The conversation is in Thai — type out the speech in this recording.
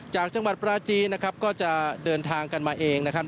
จากจังหวัดปราจีนนะครับก็จะเดินทางกันมาเองนะครับ